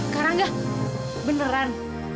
kak rangga beneran